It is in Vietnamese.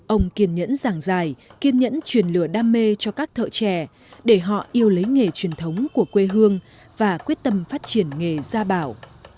ông kiên nhẫn ràng dài kiên nhẫn truyền lửa đam mê cho các thợ trẻ để họ yêu lấy nghề truyền thống của quê hương và quyết tâm phát triển nghề gia bảo